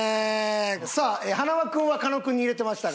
さあ塙君は狩野君に入れてましたが。